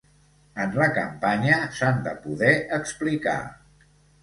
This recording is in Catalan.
En la campanya s’han de poder explicar.